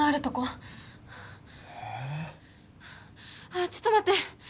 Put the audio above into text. あっちょっと待って。